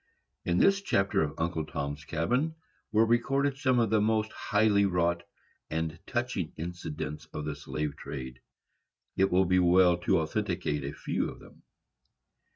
In this chapter of Uncle Tom's Cabin were recorded some of the most highly wrought and touching incidents of the slave trade. It will be well to authenticate a few of them.